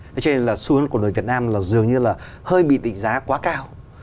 nói chung là xuống của đồng tiền việt nam là dường như là hơi bị tỉnh giá quá cao